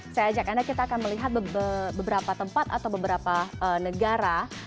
saya ajak anda kita akan melihat beberapa tempat atau beberapa negara